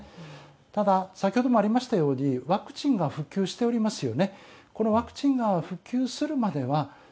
ただ、先ほどもありましたようにワクチンが普及しておりますよね。